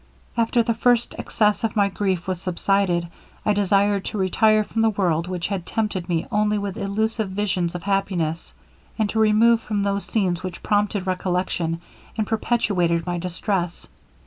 'After the first excess of my grief was subsided, I desired to retire from a world which had tempted me only with illusive visions of happiness, and to remove from those scenes which prompted recollection, and perpetuated my distress.